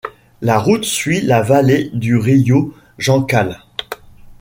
La route suit la vallée du rio Juncal.